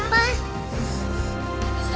kep lion sandara